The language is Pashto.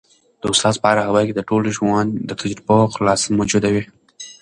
د استاد په هره خبره کي د ټول ژوند د تجربو خلاصه موجوده وي.